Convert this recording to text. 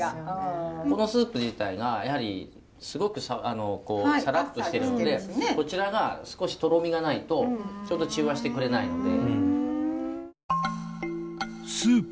このスープ自体がすごくサラッとしてるんでこちらが少しとろみがないとちょうど中和してくれないので。